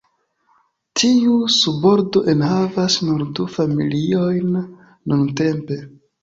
Tiu subordo enhavas nur du familiojn nuntempe.